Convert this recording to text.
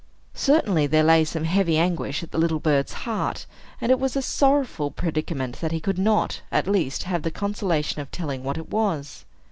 Certainly there lay some heavy anguish at the little bird's heart; and it was a sorrowful predicament that he could not, at least, have the consolation of telling what it was.